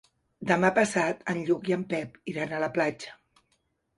Demà passat en Lluc i en Pep iran a la platja.